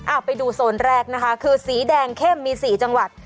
เอาไปดูโซนแรกนะคะคือสีแดงเข้มมีสี่จังหวัด